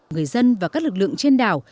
người dân và các lực lượng trên đảo